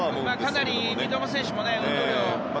かなり三笘選手も運動量が。